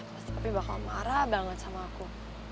pasti papi bakal marah banget sama aku